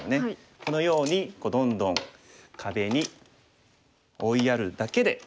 このようにどんどん壁に追いやるだけで。